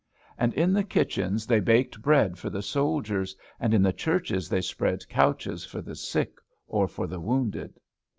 And in the kitchens they baked bread for the soldiers; and in the churches they spread couches for the sick or for the wounded.